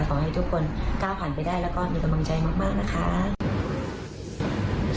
ขอให้ทุกคนก้าวผ่านไปได้แล้วก็มีกำลังใจมากนะคะ